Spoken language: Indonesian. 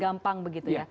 gampang begitu ya